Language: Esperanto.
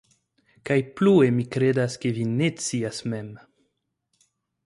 kaj plue mi kredas ke vi ne scias mem.